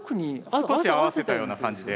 少し合わせたような感じで。